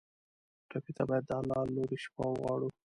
ټپي ته باید د الله له لورې شفا وغواړو.